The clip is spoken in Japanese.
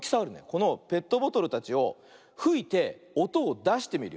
このペットボトルたちをふいておとをだしてみるよ。